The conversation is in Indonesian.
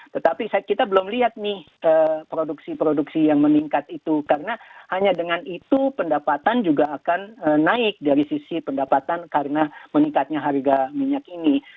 tetapi kita belum lihat nih produksi produksi yang meningkat itu karena hanya dengan itu pendapatan juga akan naik dari sisi pendapatan karena meningkatnya harga minyak ini